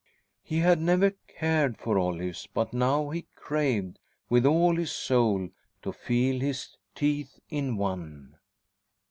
He had never cared for olives, but now he craved with all his soul to feel his teeth in one.